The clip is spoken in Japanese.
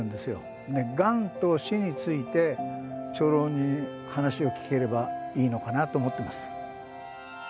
がんと死について長老に話を聞ければいいのかなと思ってます。